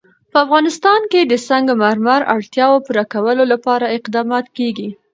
په افغانستان کې د سنگ مرمر د اړتیاوو پوره کولو لپاره اقدامات کېږي.